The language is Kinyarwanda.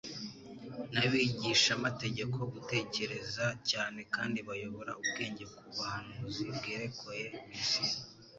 n'abigishamategeko gutekereza cyane, kandi bayobora ubwenge ku buhanuzi bwerekoye Mesiya,